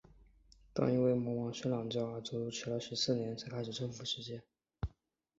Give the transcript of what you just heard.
但因为魔王睡懒觉而足足迟了十四年才开始征服世界。